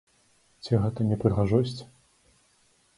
Ці гэта не прыгажосць?